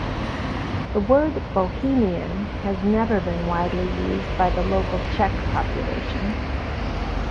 The word "Bohemian" has never been widely used by the local Czech population.